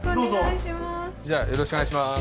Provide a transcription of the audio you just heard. よろしくお願いします